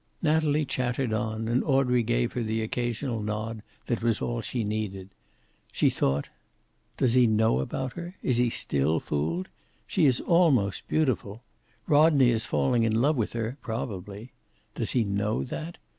Natalie chattered on, and Audrey gave her the occasional nod that was all she needed. She thought, "Does he know about her? Is he still fooled? She is almost beautiful. Rodney is falling in love with her, probably. Does he know that?